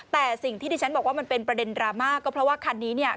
แต่สิ่งที่ดิฉันบอกว่ามันเป็นประเด็นดราม่าก็เพราะว่าคันนี้เนี่ย